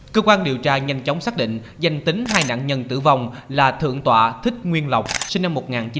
cơ quan điều tra nhanh chóng xác định danh tính hai nạn nhân tử vong là thượng tọa thích nguyên lộc sinh năm một nghìn chín trăm tám mươi